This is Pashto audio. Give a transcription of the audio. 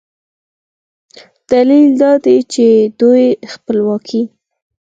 دلیل دا دی چې د دوی خپلواکي